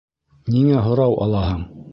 Ниңә һорау алаһың?